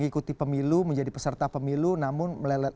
kini pkpi dipimpin oleh jenderal a m henro priyono dan sekjen imam ansori saleh